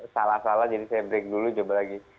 salah salah jadi saya break dulu coba lagi